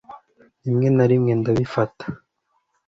rimwe na rimwe ndabifata